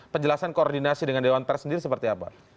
penjelasan koordinasi dengan dewan pers sendiri seperti apa